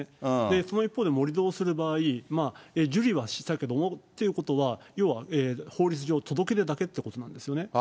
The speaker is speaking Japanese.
その一方で、盛り土をする場合、受理はしたけどもってことは、要は法律上、届け出だけということなんですよね。